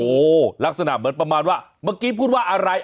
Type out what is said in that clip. โอ้โหลักษณะเหมือนประมาณว่าเมื่อกี้พูดว่าอะไร